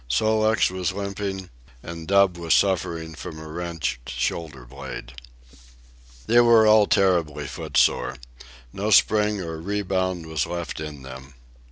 Sol leks was limping, and Dub was suffering from a wrenched shoulder blade. They were all terribly footsore. No spring or rebound was left in them.